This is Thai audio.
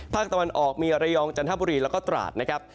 ภาคตะวันออกมีระยองจันทบุรีแล้วก็ตราดนะครับ